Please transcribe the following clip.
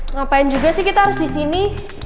ngapain juga sih kita harus disini